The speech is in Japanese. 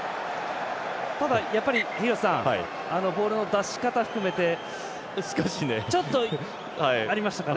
ただ、やっぱりボールの出し方含めてちょっとありましたかね。